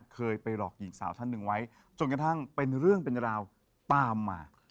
เคยไปหลอกหญิงสาวท่านหนึ่งไว้จนกระทั่งเป็นเรื่องเป็นราวตามมา